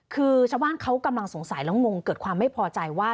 คือชาวบ้านเขากำลังสงสัยแล้วงงเกิดความไม่พอใจว่า